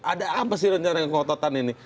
ada apa sih rencana keototan ini